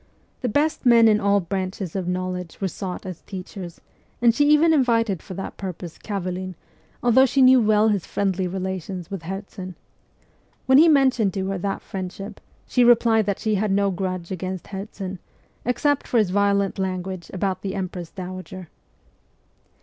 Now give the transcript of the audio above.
The best men in all branches of knowledge were sought as teachers, and she even invited for that purpose Kavelin, although she knew well his friendly relations with Herzen. When he mentioned to her that friendship, she replied that she had no grudge against Herzen, except for his violent language about the empress dowager.